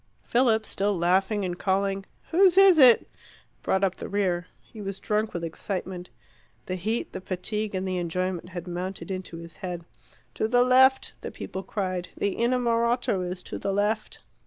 Philip, still laughing and calling "Whose is it?" brought up the rear. He was drunk with excitement. The heat, the fatigue, and the enjoyment had mounted into his head. "To the left!" the people cried. "The innamorato is to the left."